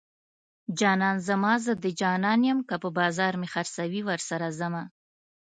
جانان زما زه د جانان يم که په بازار مې خرڅوي ورسره ځمه